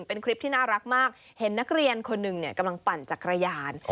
เป็นคลิปที่น่ารักมากเห็นนักเรียนคนหนึ่งกำลังปั่นจักรยาน